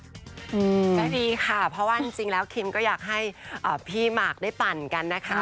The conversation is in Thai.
ก็ดีค่ะเพราะว่าจริงแล้วคิมก็อยากให้พี่หมากได้ปั่นกันนะคะ